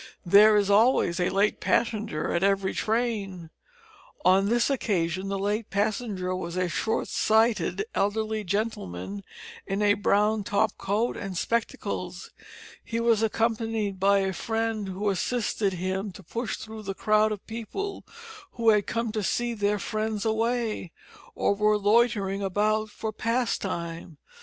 There is always a late passenger at every train. On this occasion the late passenger was a short sighted elderly gentleman in a brown top coat and spectacles. He was accompanied by a friend, who assisted him to push through the crowd of people who had come to see their friends away, or were loitering about for pastime.